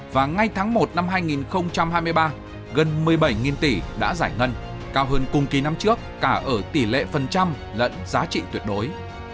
và ngay tháng một năm hai nghìn hai mươi ba gần một mươi bảy tỷ đã giải ngân cao hơn cùng kỳ năm trước cả ở tỷ lệ phần trăm lẫn giá trị tuyệt đối